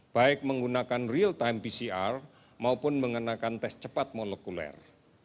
baik menggunakan real time pcr maupun mengenakan tes cepat molekuler